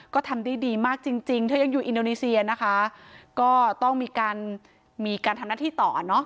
ก็ทำได้ดีมากจริงจริงเธอยังอยู่อินโดนีเซียนะคะก็ต้องมีการมีการทำหน้าที่ต่อเนอะ